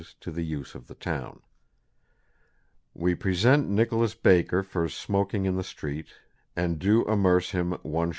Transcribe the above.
_ "to the use of the town"]. Wee present Nicholas Baker for smoakeinge in the street, and doe amerce him 1s."